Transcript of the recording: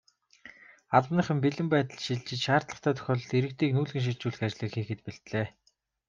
Албаныхан бэлэн байдалд шилжиж, шаардлагатай тохиолдолд иргэдийг нүүлгэн шилжүүлэх ажлыг хийхэд бэлдлээ.